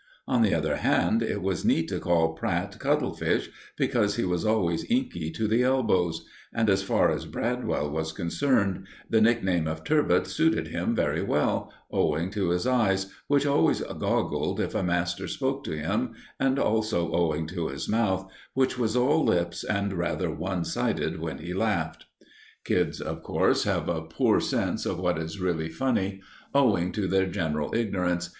On the other hand, it was neat to call Pratt "Cuttlefish," because he was always inky to the elbows; and as far as Bradwell was concerned, the nickname of "Turbot" suited him very well, owing to his eyes, which always goggled if a master spoke to him, and also owing to his mouth, which was all lips and rather one sided when he laughed. Kids, of course, have a poor sense of what is really funny, owing to their general ignorance.